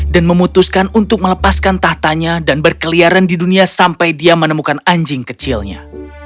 dan memutuskan untuk melepaskan tahtanya dan berkeliaran di dunia sampai dia menemukan anjing kecilnya